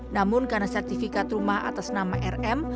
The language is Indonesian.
namun karena sertifikat rumah atas nama rm